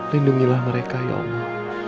lindungilah mereka ya allah